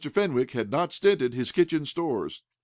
Fenwick had not stinted his kitchen stores.